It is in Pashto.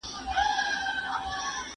پر ضد ودرېد